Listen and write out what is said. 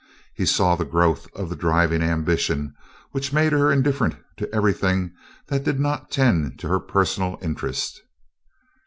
He saw the growth of the driving ambition which made her indifferent to everything that did not tend to her personal interest.